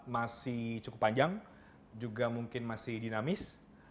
masih cukup panjang juga mungkin masih dinamis